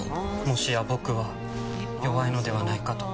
もしや僕は弱いのではないかと。